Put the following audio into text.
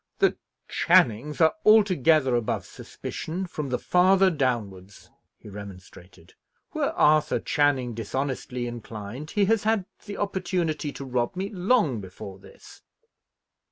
"The Channings are altogether above suspicion, from the father downwards," he remonstrated. "Were Arthur Channing dishonestly inclined, he has had the opportunity to rob me long before this."